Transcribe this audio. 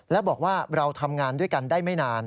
และบอกว่าเราทำงานด้วยกันได้ไม่นาน